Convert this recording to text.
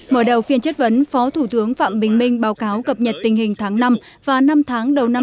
mở đầu phiên chất vấn phó thủ tướng phạm bình minh báo cáo cập nhật tình hình tháng năm và năm tháng đầu năm hai nghìn hai mươi